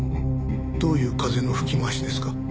どういう風の吹き回しですか？